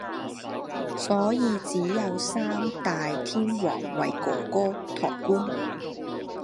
所以只有“三大天王”為“哥哥”抬棺。